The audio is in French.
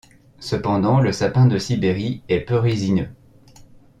Cependant le sapin de Sibérie est peu résineux.